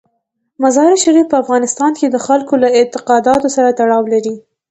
مزارشریف په افغانستان کې د خلکو له اعتقاداتو سره تړاو لري.